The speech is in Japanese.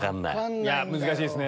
難しいですね。